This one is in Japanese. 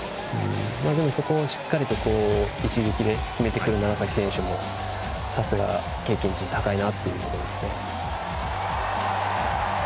そこをしっかりと一撃で決めてくる楢崎選手もさすが、経験値高いなっていうところですね。